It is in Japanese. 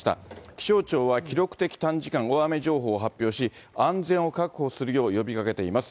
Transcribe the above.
気象庁は記録的短時間大雨情報を発表し、安全を確保するよう呼びかけています。